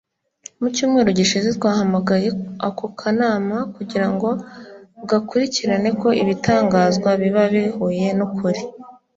Mu cyumweru gishize twahamagaye ako kanama kugira ngo gakurikirane ko ibitangazwa biba ibihuye n’ukuri